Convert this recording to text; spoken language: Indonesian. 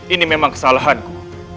ini memang kesalahanku